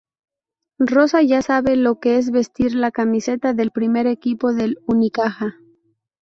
Rosa ya sabe lo que es vestir la camiseta del primer equipo del Unicaja.